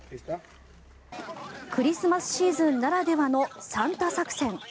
クリスマスシーズンならではのサンタ作戦。